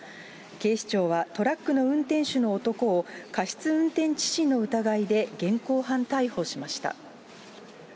警視庁はトラックの運転手の男を過失運転致死の疑いで現行犯逮捕しました。